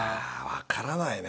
分からない？